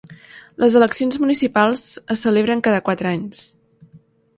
Les eleccions municipals es celebren cada quatre anys.